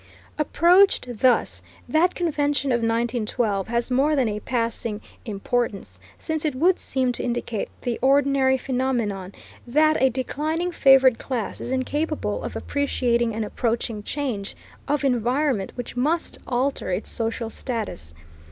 Approached thus, that Convention of 1912 has more than a passing importance, since it would seem to indicate the ordinary phenomenon, that a declining favored class is incapable of appreciating an approaching change of environment which must alter its social status.